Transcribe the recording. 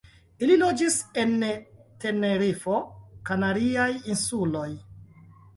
Ili loĝis en Tenerifo, Kanariaj insuloj.